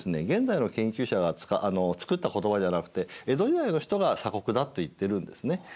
現在の研究者が作った言葉じゃなくて江戸時代の人が「鎖国」だと言ってるんですね。